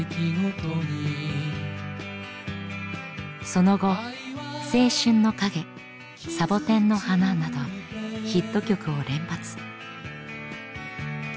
その後「青春の影」「サボテンの花」などヒット曲を連発。